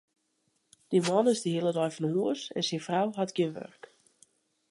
Dy man is de hiele dei fan hûs en syn frou hat gjin wurk.